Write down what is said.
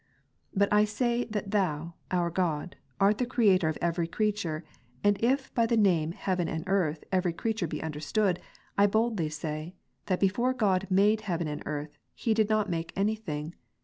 But I say that Thou, our God, art the Creator of every creature : and if by the name " heaven and earth," every creature be understood ; I boldly say, " that before God made heaven and earth. He did not make any thing.